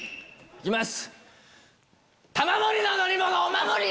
行きます。